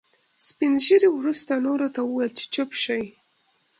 سپين ږيري وروسته نورو ته وويل چې چوپ شئ.